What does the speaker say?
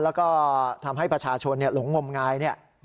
แล้วก็ทำให้ประชาชนหลงงมงายเนี่ย